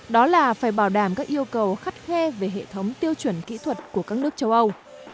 đó là phải bảo đảm các yêu cầu khắt khe về hệ thống tiêu chuẩn kỹ thuật của các nước châu âu